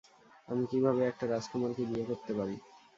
আমি কিভাবে একটা রাজকুমারকে বিয়ে করতে পারি?